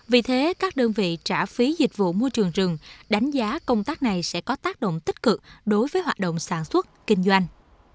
vì thế các đơn vị trả phí dịch vụ môi trường rừng đánh giá công tác này sẽ có tác động tích cực đối với hoạt động sản xuất kinh doanh